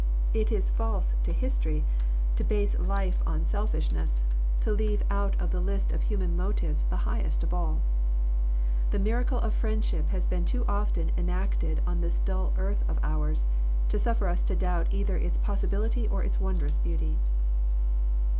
It is false to history to base 18 Digitized by VjOOQIC THE MIRACLE OF FRIENDSHIP life on selfishness, to leave out the list of human motives the highest of all. The miracle of friendship has been too often enacted on this dull earth of ours, to suf* fer us to doubt either its possibility or its wondrous beauty.